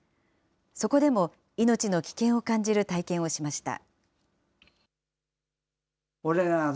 そこでも命の危険を感じる体験をしました。